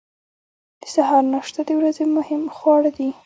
د سهار ناشته د ورځې مهم خواړه دي.